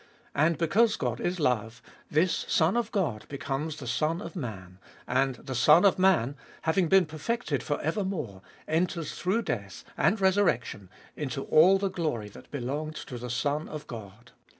And because God is love, this Son of God becomes the Son of Man, and the Son of Man, having been perfected for evermore, enters through death and resurrection into all the glory that belonged to the Son of God.